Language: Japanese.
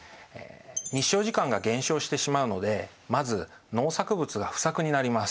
日照時間が減少してしまうのでまず農作物が不作になります。